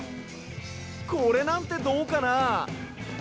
これなんてどうかな？